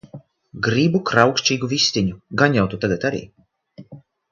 Gribu kraukšķīgu vistiņu! Gan jau tu tagad arī..